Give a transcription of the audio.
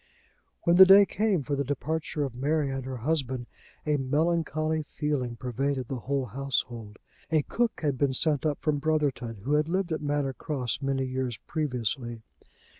When the day came for the departure of Mary and her husband, a melancholy feeling pervaded the whole household. A cook had been sent up from Brotherton who had lived at Manor Cross many years previously.